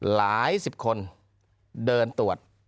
หลายสิบคนเดินตรวจ